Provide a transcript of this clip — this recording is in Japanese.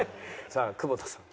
さあ久保田さん。